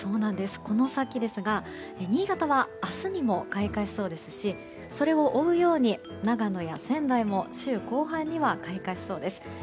この先ですが新潟は明日にも開花しそうですしそれを追うように長野や仙台も週後半には開花しそうです。